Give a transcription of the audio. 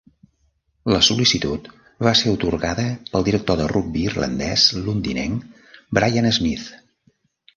La sol·licitud va ser atorgada pel director de rugbi irlandès londinenc Brian Smith.